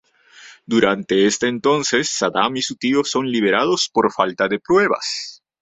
Durante este entonces, Saddam y su tío son liberados por falta de pruebas.